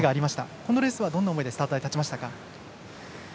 このレースはどんな思いでスタート台に立ちましたか。